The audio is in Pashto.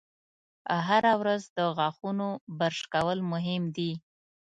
هره ورځ د غاښونو برش کول مهم دي.